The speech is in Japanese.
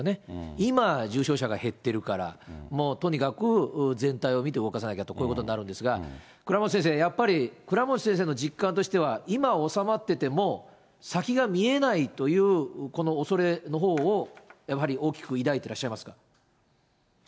今、重症者が減っているから、とにかく全体を見て動かさなきゃと、こういうことになるんですが、倉持先生、やっぱり倉持先生の実感としては、今、収まってても、先が見えないという、この恐れのほうをやはり大きく抱いていらっしゃいますか。